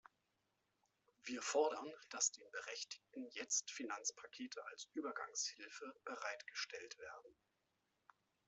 Wir fordern, dass den Berechtigten jetzt Finanzpakete als Übergangshilfe bereit gestellt werden.